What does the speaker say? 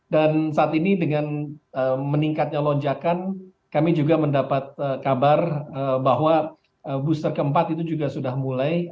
dan saat ini dengan meningkatnya lonjakan kami juga mendapat kabar bahwa booster keempat itu juga sudah mulai